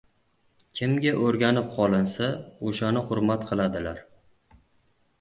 • Kimga o‘rganib qolinsa, o‘shani hurmat qiladilar.